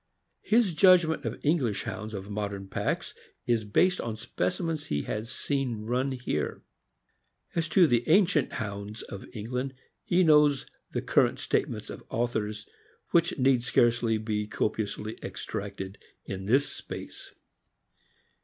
His judgment of English Hounds of modern packs is based on specimens he has seen run here. As to the ancient Hounds of Eng land, he knows the current statements of authors, which need scarcely be copiously extracted in this place.